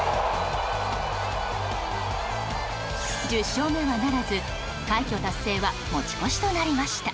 １０勝目はならず、快挙達成は持ち越しとなりました。